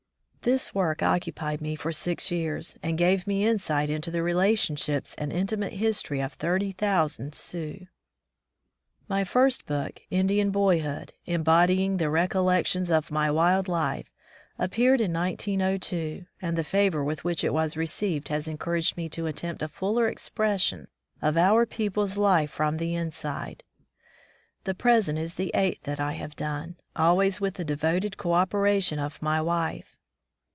This work occupied me for six years, and gave me insight into the relationships and intimate history of thirty thousand Sioux. My first book, "Indian Boyhood", em bodying the recollections of my wild life, appeared in 1902, and the favor with which it was received has encouraged me to attempt a fuller expression of our people's life from the inside. The present is the eighth that I have done, always with the devoted co operation of my wife.